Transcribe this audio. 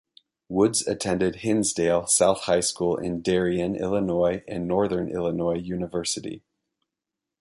Woods attended Hinsdale South High School in Darien, Illinois and Northern Illinois University.